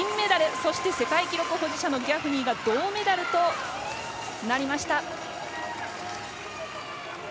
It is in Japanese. そして、世界記録保持者のギャフニーが銅メダルとなりました。